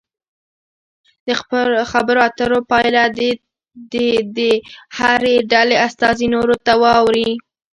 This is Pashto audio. د خبرو اترو پایله دې د هرې ډلې استازي نورو ته واوروي.